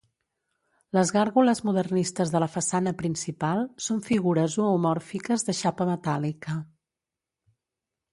Les gàrgoles modernistes de la façana principal són figures zoomòrfiques de xapa metàl·lica.